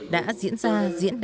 đã diễn ra diễn ra